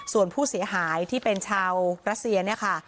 ส่วนผู้เสียหายที่เป็นชาวประเศษ